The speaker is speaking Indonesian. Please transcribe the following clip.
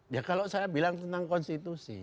ya kalau saya bilang tentang konstitusi